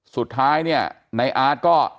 สุดท้ายเนี่ยในอาร์ตก็